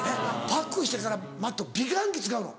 パックしてからＭａｔｔ美顔器使うの？